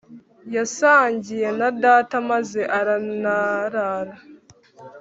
yasangiye na data maze aranarara.